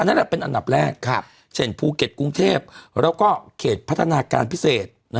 นั่นแหละเป็นอันดับแรกเช่นภูเก็ตกรุงเทพแล้วก็เขตพัฒนาการพิเศษ